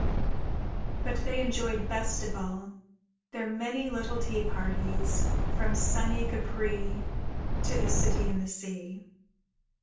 _ _But they enjoyed best of all their many little tea parties from sunny Capri to the City in the Sea.